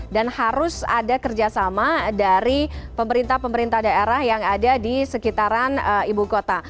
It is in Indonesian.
dan harus ada kerjasama dari pemerintah pemerintah daerah yang ada di sekitaran ibu kota